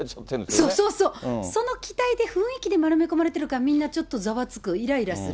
そうそうそう、その期待で雰囲気で丸め込まれてるから、みんなちょっとざわつく、いらいらする。